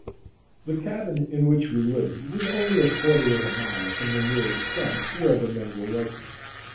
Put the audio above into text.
The cabin in which we lived was only a quarter of a mile from the nearest dump where the men were working.